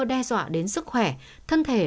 đe dọa đến sức khỏe thân thể